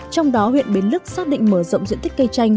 trong đó huyện bến lức xác định mở rộng diện tích cây chanh